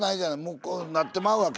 もうこうなってまうわけ。